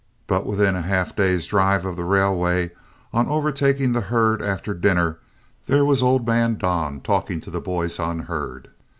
But when within a half day's drive of the railway, on overtaking the herd after dinner, there was old man Don talking to the boys on herd.